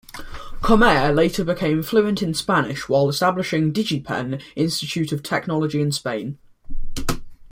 Comair later became fluent in Spanish while establishing DigiPen Institute of Technology in Spain.